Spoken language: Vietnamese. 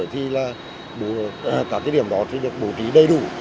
thì là cả cái điểm đó thì được bổ trí đầy đủ